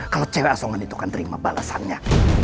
kalau cewek asongan itu kan terima balasannya